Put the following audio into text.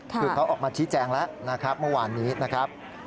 คือเขาออกมาชี้แจงแล้วนะครับเมื่อวานนี้นะครับ